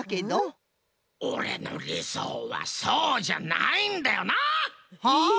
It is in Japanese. オレのりそうはそうじゃないんだよな！はあ？